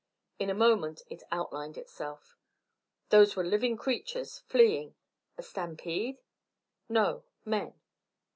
In a moment it outlined itself. Those were living creatures, fleeing. A stampede? No, men.